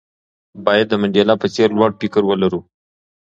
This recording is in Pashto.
باید د منډېلا په څېر لوړ فکر ولرو.